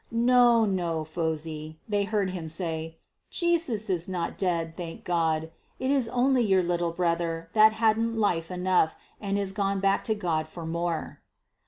"No, no, Phosy!" they heard him say, "Jesus is not dead, thank God. It is only your little brother that hadn't life enough, and is gone back to God for more."